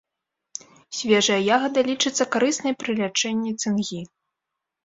Свежая ягада лічыцца карыснай пры лячэнні цынгі.